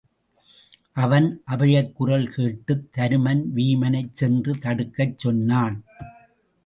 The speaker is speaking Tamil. அவன் அபயக்குரல் கேட்டுத் தருமன் வீமனைச் சென்று தடுக்கச் சொன்னான்.